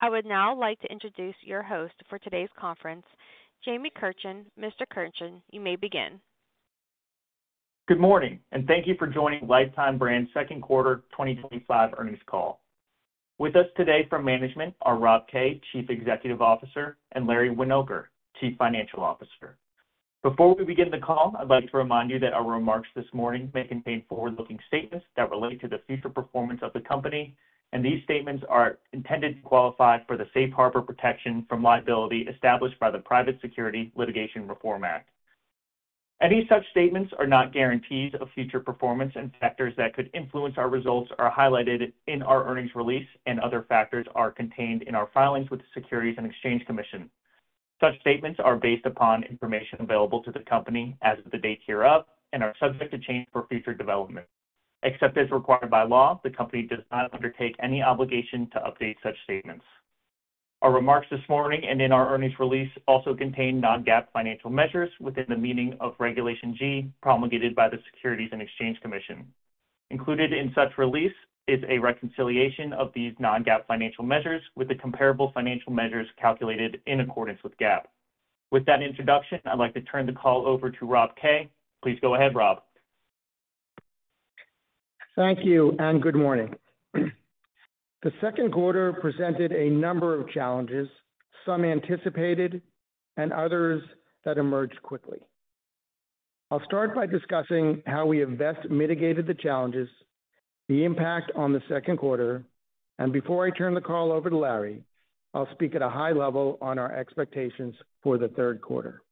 I would now like to introduce your host for today's conference, Jamie Kirchen. Mr. Kirchen, you may begin. Good morning, and thank you for joining Lifetime Brands' Second Quarter 2025 Earnings Call. With us today from management are Rob Kay, Chief Executive Officer, and Larry Winoker, Chief Financial Officer. Before we begin the call, I'd like to remind you that our remarks this morning may contain forward-looking statements that relate to the future performance of the company, and these statements are intended to qualify for the safe harbor protection from liability established by the Private Securities Litigation Reform Act. Any such statements are not guarantees of future performance, and factors that could influence our results are highlighted in our earnings release, and other factors are contained in our filings with the Securities and Exchange Commission. Such statements are based upon information available to the company as of the date hereof and are subject to change for future development. Except as required by law, the company does not undertake any obligation to update such statements. Our remarks this morning and in our earnings release also contain non-GAAP financial measures within the meaning of Regulation G promulgated by the Securities and Exchange Commission. Included in such release is a reconciliation of these non-GAAP financial measures with the comparable financial measures calculated in accordance with GAAP. With that introduction, I'd like to turn the call over to Rob Kay. Please go ahead, Rob. Thank you, and good morning. The second quarter presented a number of challenges, some anticipated and others that emerged quickly. I'll start by discussing how we have best mitigated the challenges, the impact on the second quarter, and before I turn the call over to Larry, I'll speak at a high level on our expectations for the third quarter.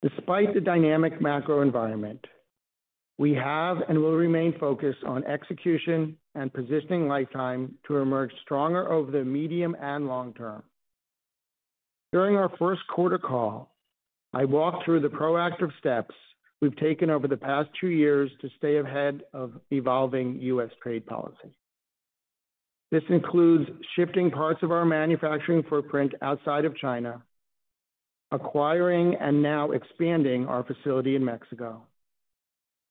Despite the dynamic macro environment, we have and will remain focused on execution and positioning Lifetime to emerge stronger over the medium and long term. During our first quarter call, I walked through the proactive steps we've taken over the past two years to stay ahead of evolving U.S. trade policy. This includes shifting parts of our manufacturing footprint outside of China, acquiring and now expanding our facility in Mexico,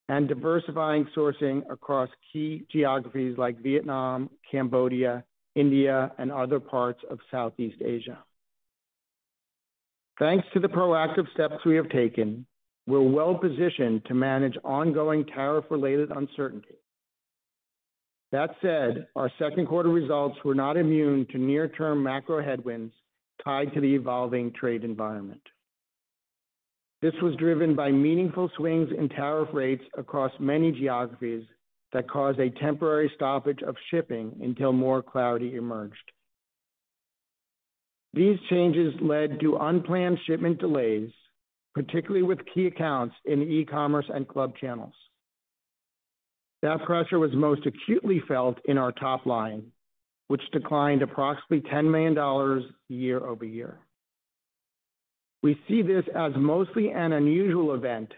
and diversifying sourcing across key geographies like Vietnam, Cambodia, India, and other parts of Southeast Asia. Thanks to the proactive steps we have taken, we're well positioned to manage ongoing tariff-related uncertainty. That said, our second quarter results were not immune to near-term macro headwinds tied to the evolving trade environment. This was driven by meaningful swings in tariff rates across many geographies that caused a temporary stoppage of shipping until more clarity emerged. These changes led to unplanned shipment delays, particularly with key accounts in e-commerce and club channels. That pressure was most acutely felt in our top line, which declined approximately $10 million year-over-year. We see this as mostly an unusual event,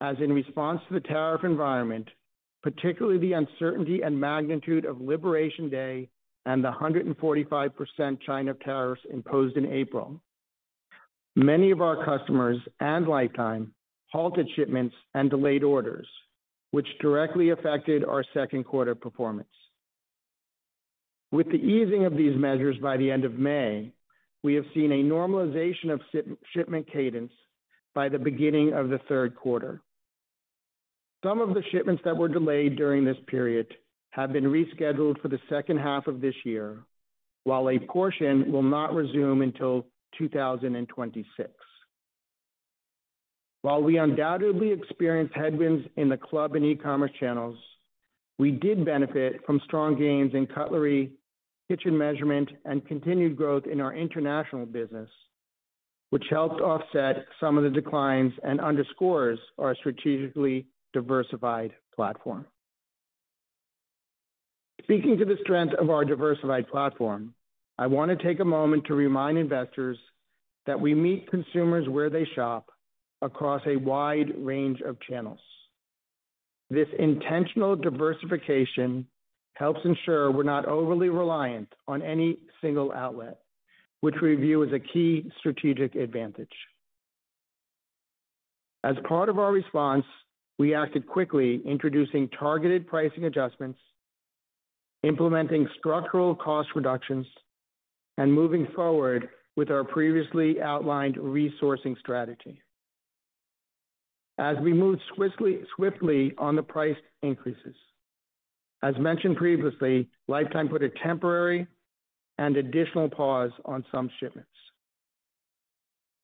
as in response to the tariff environment, particularly the uncertainty and magnitude of Liberation Day and the 145% China tariffs imposed in April. Many of our customers and Lifetime halted shipments and delayed orders, which directly affected our second quarter performance. With the easing of these measures by the end of May, we have seen a normalization of shipment cadence by the beginning of the third quarter. Some of the shipments that were delayed during this period have been rescheduled for the second half of this year, while a portion will not resume until 2026. While we undoubtedly experienced headwinds in the club and e-commerce channels, we did benefit from strong gains in cutlery, kitchen measurement, and continued growth in our international business, which helped offset some of the declines and underscores our strategically diversified platform. Speaking to the strength of our diversified platform, I want to take a moment to remind investors that we meet consumers where they shop across a wide range of channels. This intentional diversification helps ensure we're not overly reliant on any single outlet, which we view as a key strategic advantage. As part of our response, we acted quickly, introducing targeted pricing adjustments, implementing structural cost reductions, and moving forward with our previously outlined resourcing strategy. As we moved swiftly on the price increases, as mentioned previously, Lifetime put a temporary and additional pause on some shipments.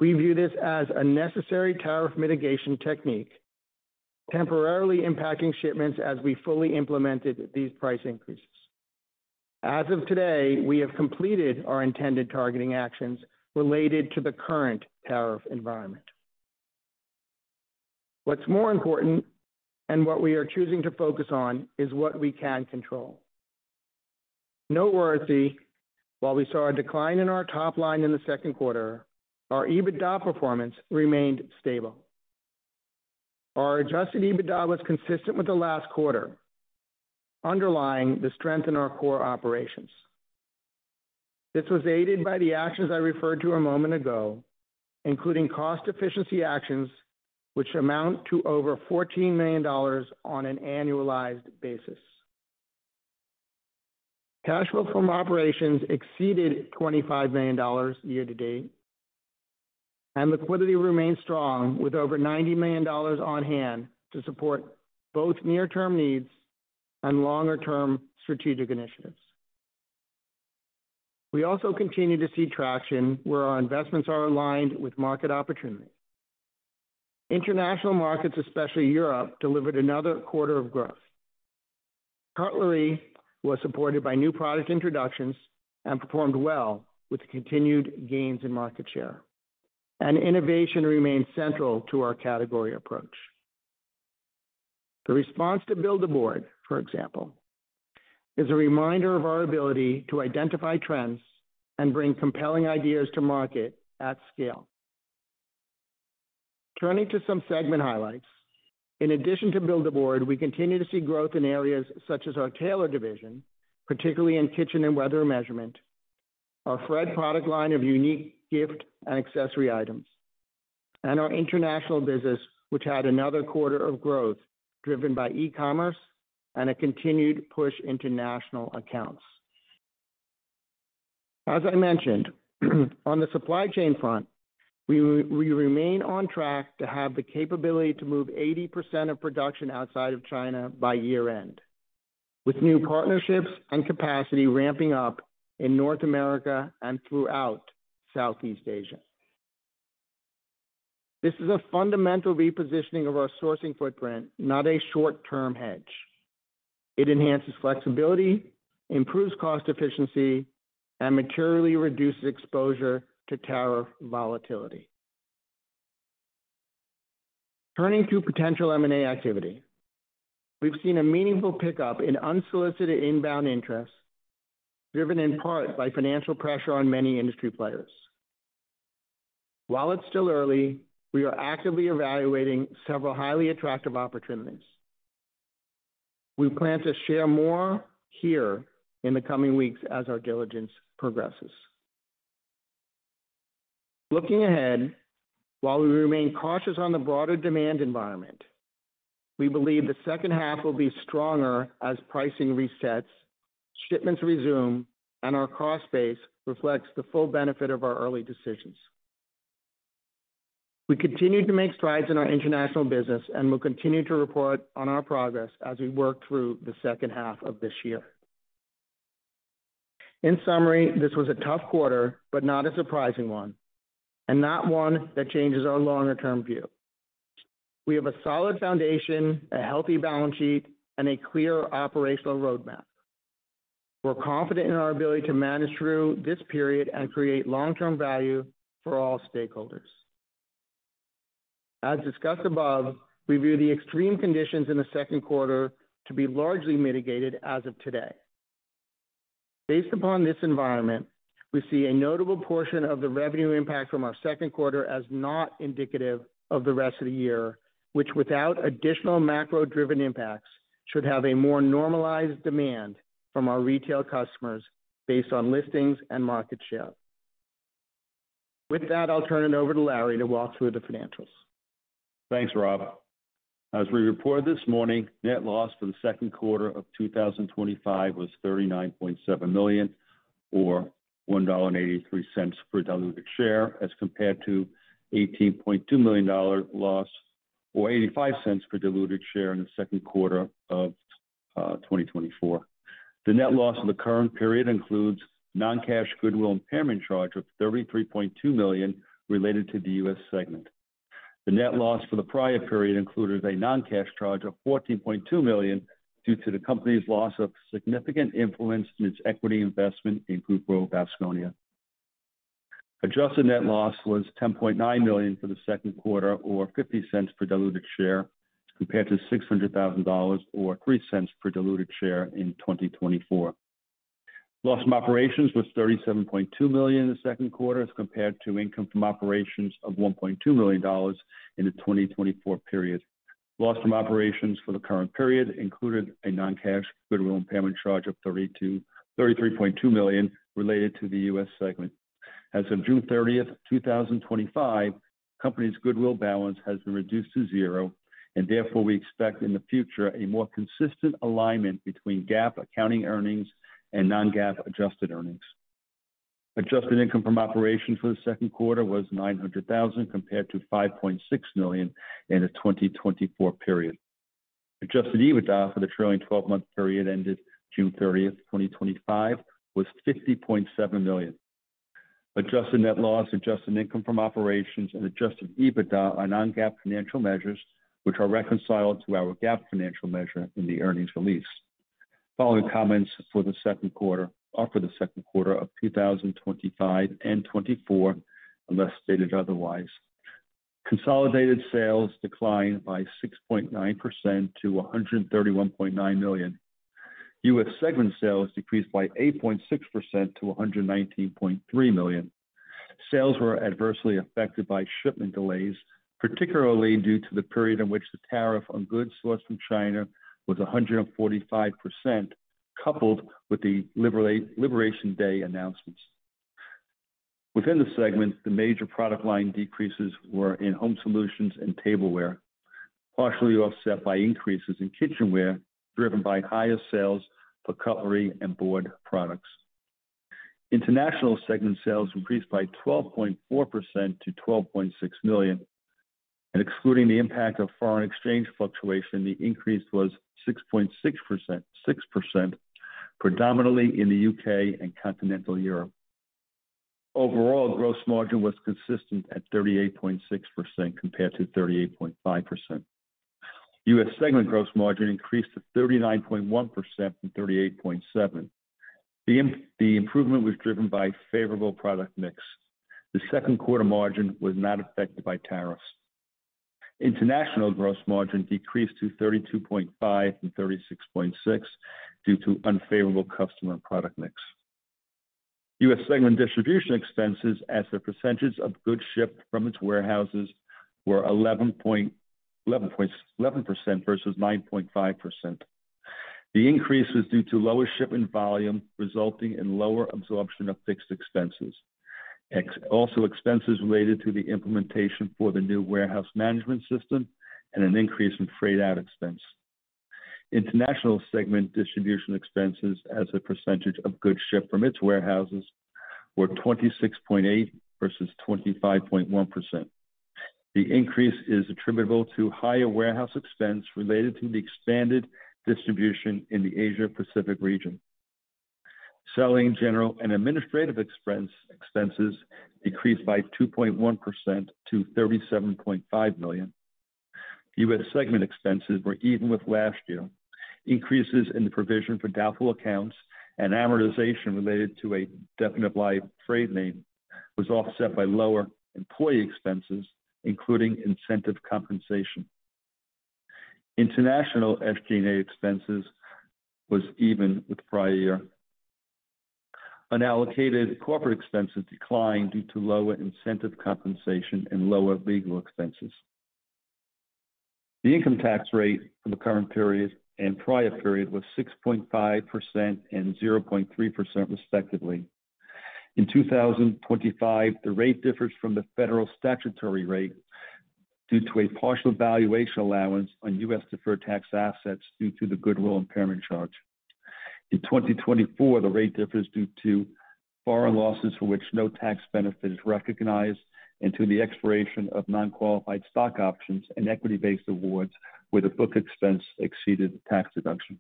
We view this as a necessary tariff mitigation technique, temporarily impacting shipments as we fully implemented these price increases. As of today, we have completed our intended targeting actions related to the current tariff environment. What's more important, and what we are choosing to focus on, is what we can control. Noteworthy, while we saw a decline in our top line in the second quarter, our EBITDA performance remained stable. Our adjusted EBITDA was consistent with the last quarter, underlying the strength in our core operations. This was aided by the actions I referred to a moment ago, including cost efficiency actions, which amount to over $14 million on an annualized basis. Cash flow from operations exceeded $25 million year to date, and liquidity remains strong, with over $90 million on hand to support both near-term needs and longer-term strategic initiatives. We also continue to see traction where our investments are aligned with market opportunity. International markets, especially Europe, delivered another quarter of growth. Cutlery was supported by new product introductions and performed well with continued gains in market share, and innovation remains central to our category approach. The response to Build A Board, for example, is a reminder of our ability to identify trends and bring compelling ideas to market at scale. Turning to some segment highlights, in addition to Build A Board, we continue to see growth in areas such as our Taylor division, particularly in kitchen and weather measurement, our thread product line of unique gift and accessory items, and our international business, which had another quarter of growth driven by e-commerce and a continued push into national accounts. As I mentioned, on the supply chain front, we remain on track to have the capability to move 80% of production outside of China by year-end, with new partnerships and capacity ramping up in North America and throughout Southeast Asia. This is a fundamental repositioning of our sourcing footprint, not a short-term hedge. It enhances flexibility, improves cost efficiency, and materially reduces exposure to tariff volatility. Turning to potential M&A activity, we've seen a meaningful pickup in unsolicited inbound interest, driven in part by financial pressure on many industry players. While it's still early, we are actively evaluating several highly attractive opportunities. We plan to share more here in the coming weeks as our diligence progresses. Looking ahead, while we remain cautious on the broader demand environment, we believe the second half will be stronger as pricing resets, shipments resume, and our cost base reflects the full benefit of our early decisions. We continue to make strides in our international business and will continue to report on our progress as we work through the second half of this year. In summary, this was a tough quarter, but not a surprising one, and not one that changes our longer-term view. We have a solid foundation, a healthy balance sheet, and a clear operational roadmap. We're confident in our ability to manage through this period and create long-term value for all stakeholders. As discussed above, we view the extreme conditions in the second quarter to be largely mitigated as of today. Based upon this environment, we see a notable portion of the revenue impact from our second quarter as not indicative of the rest of the year, which, without additional macro-driven impacts, should have a more normalized demand from our retail customers based on listings and market share. With that, I'll turn it over to Larry to walk through the financials. Thanks, Rob. As we reported this morning, net loss for the second quarter of 2025 was $39.7 million, or $1.83 per diluted share, as compared to $18.2 million loss, or $0.85 per diluted share in the second quarter of 2024. The net loss of the current period includes non-cash goodwill impairment charge of $33.2 million related to the U.S. segment. The net loss for the prior period included a non-cash charge of $14.2 million due to the company's loss of significant influence in its equity investment in [Group World, Patagonia. Adjusted net loss was $10.9 million for the second quarter, or $0.50 per diluted share, compared to $600,000 or $0.03 per diluted share in 2024. Loss from operations was $37.2 million in the second quarter, as compared to income from operations of $1.2 million in the 2024 period. Loss from operations for the current period included a non-cash goodwill impairment charge of $33.2 million related to the U.S. segment. As of June 30th, 2025, the company's goodwill balance has been reduced to zero, and therefore we expect in the future a more consistent alignment between GAAP accounting earnings and non-GAAP adjusted earnings. Adjusted income from operations for the second quarter was $900,000, compared to $5.6 million in the 2024 period. Adjusted EBITDA for the trailing 12-month period ended June 30th, 2025, was $50.7 million. Adjusted net loss, adjusted income from operations, and adjusted EBITDA are non-GAAP financial measures, which are reconciled to our GAAP financial measure in the earnings release. Following comments for the second quarter are for the second quarter of 2025 and 2024, unless stated otherwise. Consolidated sales declined by 6.9% to $131.9 million. U.S. segment sales decreased by 8.6% to $119.3 million. Sales were adversely affected by shipment delays, particularly due to the period in which the tariff on goods sourced from China was 145%, coupled with the Liberation Day announcements. Within the segments, the major product line decreases were in home solutions and tableware, partially offset by increases in kitchenware, driven by higher sales for cutlery and board products. International segment sales increased by 12.4% to $12.6 million, and excluding the impact of foreign exchange fluctuation, the increase was 6.6%, predominantly in the U.K. and continental Europe. Overall, gross margin was consistent at 38.6% compared to 38.5%. U.S. segment gross margin increased to 39.1% from 38.7%. The improvement was driven by a favorable product mix. The second quarter margin was not affected by tariffs. International gross margin decreased to 32.5% from 36.6% due to unfavorable customer and product mix. U.S. segment distribution expenses, as the percentage of goods shipped from its warehouses, were 11% versus 9.5%. The increase was due to lower shipment volume, resulting in lower absorption of fixed expenses. Also, expenses related to the implementation for the new warehouse management system and an increase in freight-out expense. International segment distribution expenses, as the percentage of goods shipped from its warehouses, were 26.8% versus 25.1%. The increase is attributable to higher warehouse expense related to the expanded distribution in the Asia-Pacific region. Selling, general and administrative expenses decreased by 2.1% to $37.5 million. U.S. segment expenses were even with last year. Increases in the provision for doubtful accounts and amortization related to a definite life freight name was offset by lower employee expenses, including incentive compensation. International SG&A expenses were even with the prior year. Unallocated corporate expenses declined due to lower incentive compensation and lower legal expenses. The income tax rate in the current period and prior period was 6.5% and 0.3% respectively. In 2025, the rate differs from the federal statutory rate due to a partial valuation allowance on U.S. deferred tax assets due to the goodwill impairment charge. In 2024, the rate differs due to foreign losses for which no tax benefit is recognized and to the expiration of non-qualified stock options and equity-based awards where the book expense exceeded the tax deduction.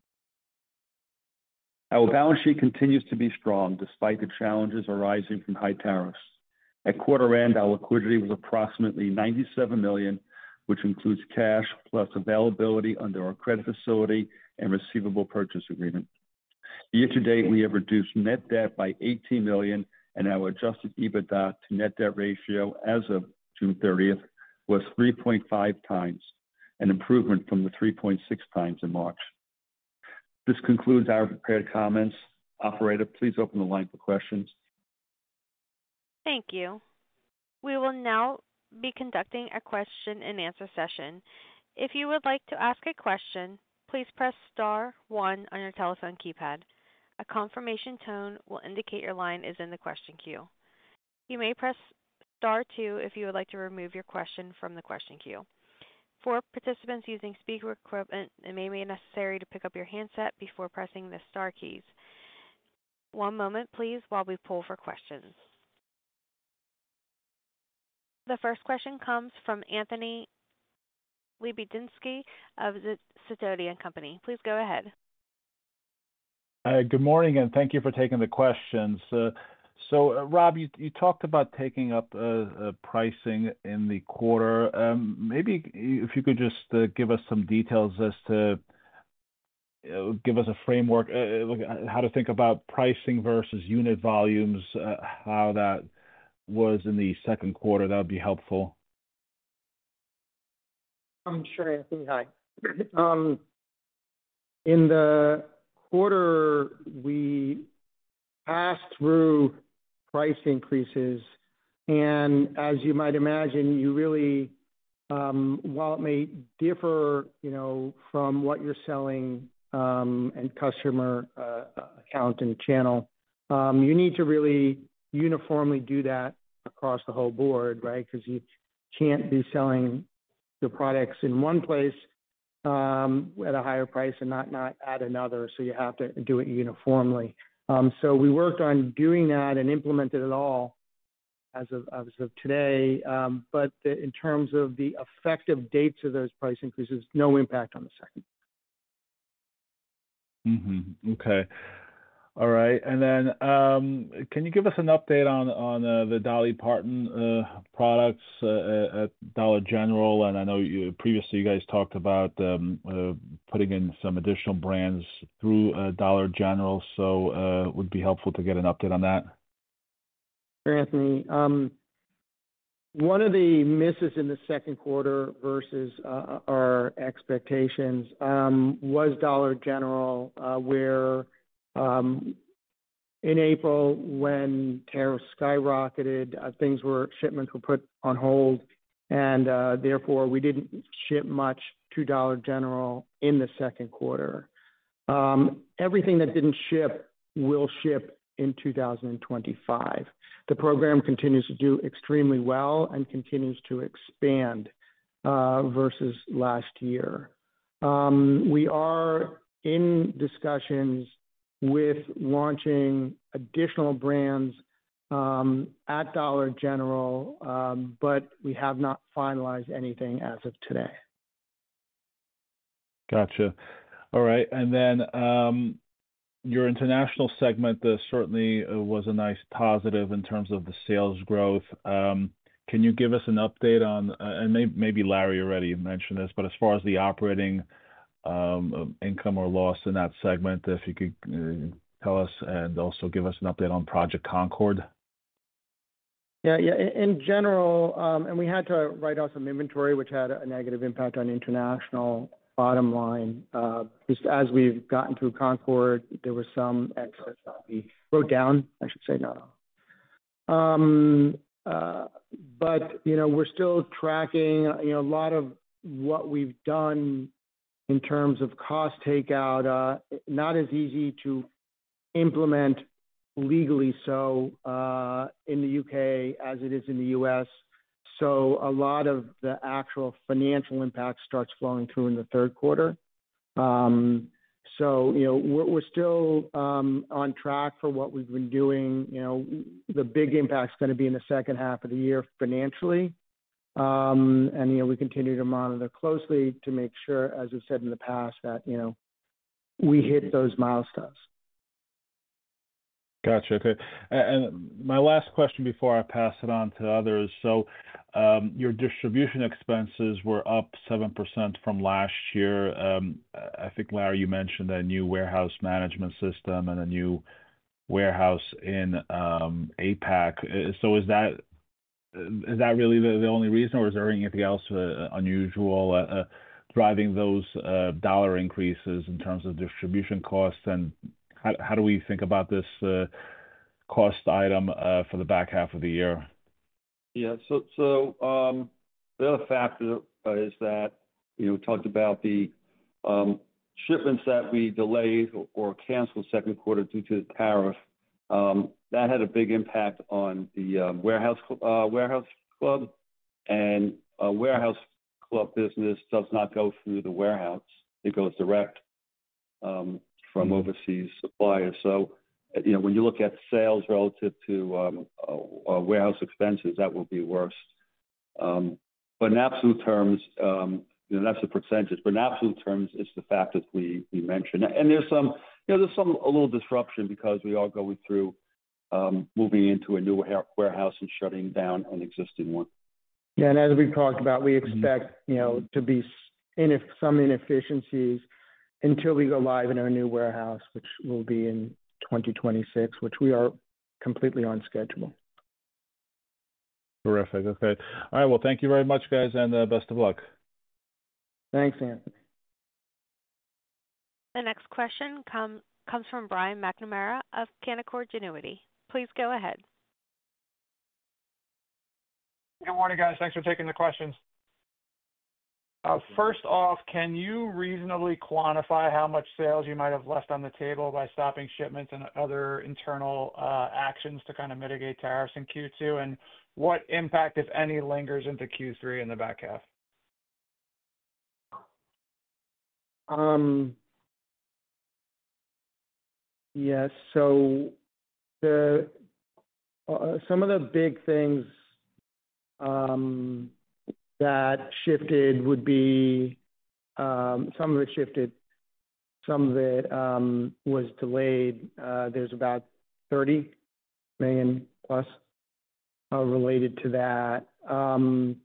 Our balance sheet continues to be strong despite the challenges arising from high tariffs. At quarter end, our liquidity was approximately $97 million, which includes cash plus availability under our credit facility and receivable purchase agreement. Year to date, we have reduced net debt by $18 million, and our adjusted EBITDA to net debt ratio as of June 30th was 3.5x, an improvement from the 3.6x in March. This concludes our prepared comments. Operator, please open the line for questions. Thank you. We will now be conducting a question-and-answer session. If you would like to ask a question, please press star one on your telephone keypad. A confirmation tone will indicate your line is in the question queue. You may press star two if you would like to remove your question from the question queue. For participants using speaker equipment, it may be necessary to pick up your handset before pressing the star keys. One moment, please, while we pull for questions. The first question comes from Anthony Lebiedzinski of Sidoti & Company. Please go ahead. Good morning, and thank you for taking the questions. Rob, you talked about taking up pricing in the quarter. Maybe if you could just give us some details to give us a framework, look at how to think about pricing versus unit volumes, how that was in the second quarter, that would be helpful. I'm sure Anthony, hi. In the quarter, we passed through price increases, and as you might imagine, while it may differ from what you're selling and customer account and channel, you need to really uniformly do that across the whole board, right? Because you can't be selling your products in one place at a higher price and not at another, so you have to do it uniformly. We worked on doing that and implemented it all as of today, but in terms of the effective dates of those price increases, no impact on the second. All right. Can you give us an update on the Dolly Parton products at Dollar General? I know previously you guys talked about putting in some additional brands through Dollar General, so it would be helpful to get an update on that. Sure, Anthony. One of the misses in the second quarter versus our expectations was Dollar General, where in April, when tariffs skyrocketed, shipments were put on hold, and therefore we didn't ship much to Dollar General in the second quarter. Everything that didn't ship will ship in 2025. The program continues to do extremely well and continues to expand versus last year. We are in discussions with launching additional brands at Dollar General, but we have not finalized anything as of today. Gotcha. All right. Your international segment certainly was a nice positive in terms of the sales growth. Can you give us an update on, and maybe Larry already mentioned this, as far as the operating income or loss in that segment, if you could tell us and also give us an update on Project Concord? In general, we had to write off some inventory, which had a negative impact on international bottom line. As we've gotten through Concord, there were some exits that we wrote down, I should say, not all. We're still tracking a lot of what we've done in terms of cost takeout, not as easy to implement legally in the U.K. as it is in the U.S. A lot of the actual financial impact starts flowing through in the third quarter. We're still on track for what we've been doing. The big impact is going to be in the second half of the year financially. We continue to monitor closely to make sure, as we've said in the past, that we hit those milestones. Gotcha. Okay. My last question before I pass it on to others. Your distribution expenses were up 7% from last year. I think, Larry, you mentioned that new warehouse management system and a new warehouse in APAC. Is that really the only reason, or is there anything else unusual driving those dollar increases in terms of distribution costs? How do we think about this cost item for the back half of the year? Yeah. The other factor is that, you know, we talked about the shipments that we delayed or canceled in the second quarter due to the tariff. That had a big impact on the warehouse club, and a warehouse club business does not go through the warehouse. It goes direct from overseas suppliers. When you look at the sales relative to warehouse expenses, that will be worse. In absolute terms, you know, that's a percentage. In absolute terms, it's the fact that we mentioned. There's some, you know, a little disruption because we are going through moving into a new warehouse and shutting down an existing one. Yeah, as we talked about, we expect to be in some inefficiencies until we go live in our new warehouse, which will be in 2026. We are completely on schedule. Terrific. Okay. All right. Thank you very much, guys, and best of luck. Thanks, Anthony. The next question comes from Brian McNamara of Canaccord Genuity. Please go ahead. Good morning, guys. Thanks for taking the questions. First off, can you reasonably quantify how much sales you might have left on the table by stopping shipments and other internal actions to kind of mitigate tariffs in Q2? What impact, if any, lingers into Q3 in the back half? Yes. Some of the big things that shifted would be some of it shifted, some of it was delayed. There's about $30+ million related to that. In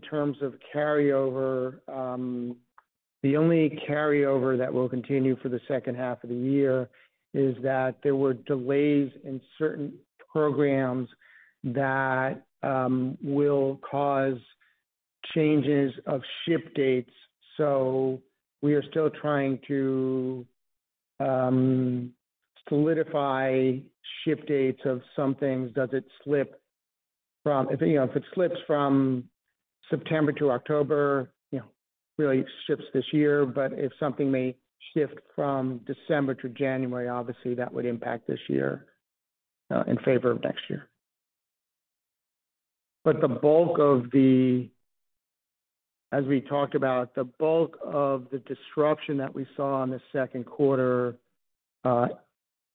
terms of carryover, the only carryover that will continue for the second half of the year is that there were delays in certain programs that will cause changes of ship dates. We are still trying to solidify ship dates of some things. If it slips from September to October, it really shifts this year. If something may shift from December to January, obviously, that would impact this year in favor of next year. The bulk of the, as we talked about, the bulk of the disruption that we saw in the second quarter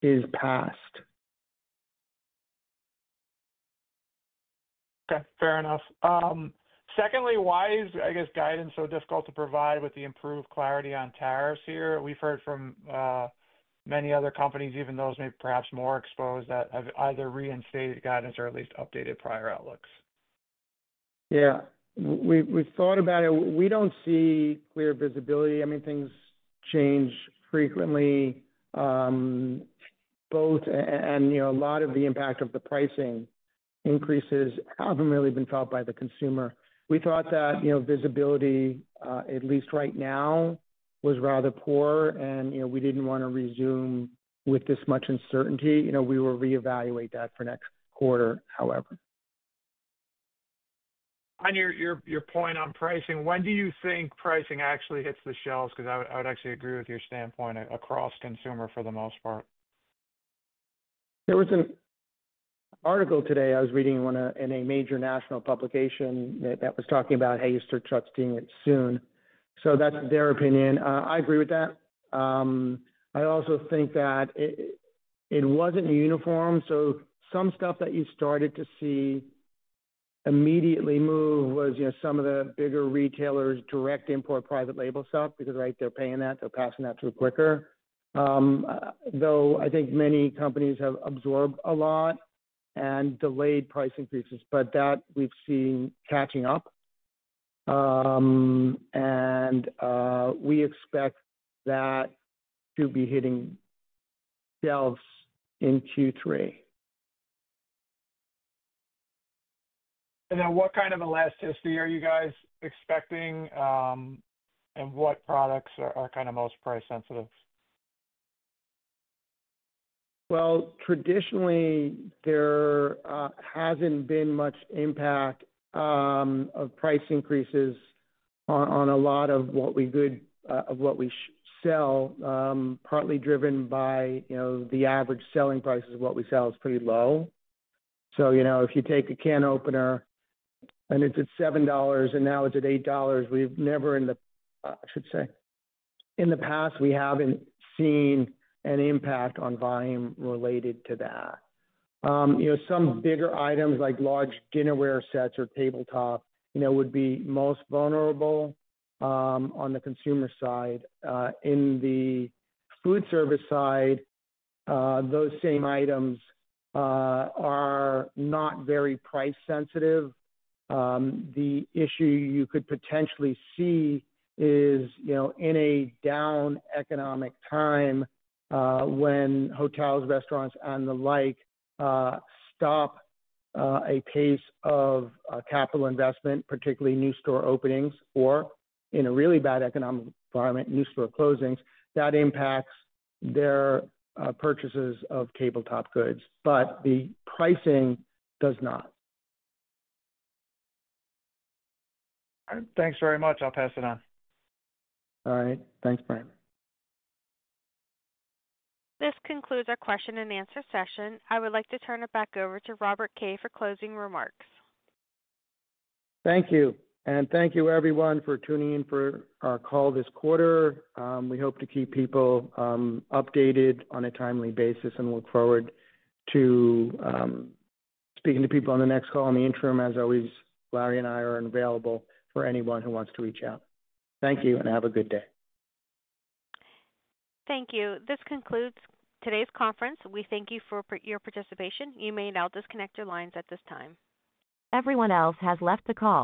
is past. Okay. Fair enough. Secondly, why is, I guess, guidance so difficult to provide with the improved clarity on tariffs here? We've heard from many other companies, even those perhaps more exposed, that have either reinstated guidance or at least updated prior outlooks. We've thought about it. We don't see clear visibility. Things change frequently. Both, and a lot of the impact of the pricing increases haven't really been felt by the consumer. We thought that visibility, at least right now, was rather poor, and we didn't want to resume with this much uncertainty. We will reevaluate that for next quarter, however. On your point on pricing, when do you think pricing actually hits the shelves? I would actually agree with your standpoint across consumer for the most part. There was an article today I was reading in a major national publication that was talking about how you start trusting it soon. That's their opinion. I agree with that. I also think that it wasn't uniform. Some stuff that you started to see immediately move was, you know, some of the bigger retailers' direct import private label stuff because, right, they're paying that. They're passing that through quicker. I think many companies have absorbed a lot and delayed price increases, but that we've seen catching up. We expect that to be hitting shelves in Q3. What kind of elasticity are you guys expecting, and what products are kind of most price-sensitive? Traditionally, there hasn't been much impact of price increases on a lot of what we sell, partly driven by, you know, the average selling prices of what we sell is pretty low. If you take a can opener, and if it's $7 and now it's at $8, we've never, in the past, we haven't seen an impact on volume related to that. Some bigger items like large dinnerware sets or tabletop would be most vulnerable on the consumer side. In the food service side, those same items are not very price-sensitive. The issue you could potentially see is, in a down economic time, when hotels, restaurants, and the like stop a pace of capital investment, particularly new store openings, or in a really bad economic environment, new store closings, that impacts their purchases of tabletop goods. The pricing does not. All right. Thanks very much. I'll pass it on. All right. Thanks, Brian. This concludes our question-and-answer session. I would like to turn it back over to Rob Kay for closing remarks. Thank you. Thank you, everyone, for tuning in for our call this quarter. We hope to keep people updated on a timely basis and look forward to speaking to people on the next call. In the interim, as always, Larry and I are available for anyone who wants to reach out. Thank you and have a good day. Thank you. This concludes today's conference. We thank you for your participation. You may now disconnect your lines at this time. Everyone else has left the call.